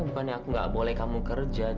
bukannya aku nggak boleh kamu kerja